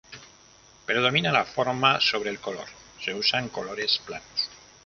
Predomina la forma sobre el color; se usan colores planos.